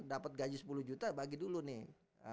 dapat gaji sepuluh juta bagi dulu nih